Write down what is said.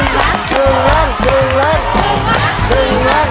แล้วแม่แม่